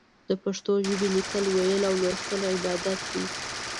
د پښتو ژبې ليکل، ويل او ولوستل عبادت دی.